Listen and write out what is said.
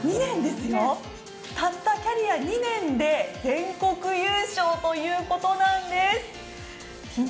たったキャリア２年で全国優勝ということなんです。